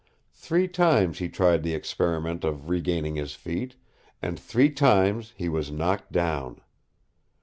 Three times he tried the experiment of regaining his feet, and three times he was knocked down.